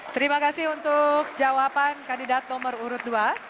terima kasih untuk jawaban kandidat nomor urut dua